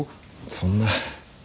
そんな。